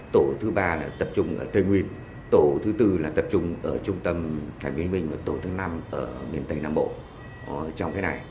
tổ thứ ba là tập trung ở tây nguyên tổ thứ tư là tập trung ở trung tâm thái bình minh và tổ thứ năm ở miền tây nam bộ